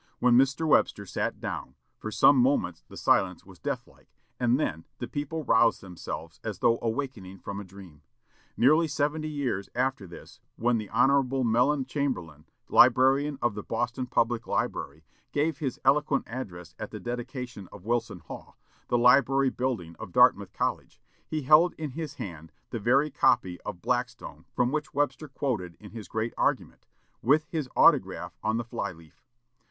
When Mr. Webster sat down, for some moments the silence was death like, and then the people roused themselves as though awaking from a dream. Nearly seventy years after this, when the Hon. Mellen Chamberlain, Librarian of the Boston Public Library, gave his eloquent address at the dedication of Wilson Hall, the library building of Dartmouth College, he held in his hand the very copy of Blackstone from which Webster quoted in his great argument, with his autograph on the fly leaf.